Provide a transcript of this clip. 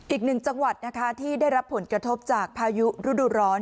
อีกหนึ่งจังหวัดนะคะที่ได้รับผลกระทบจากพายุฤดูร้อน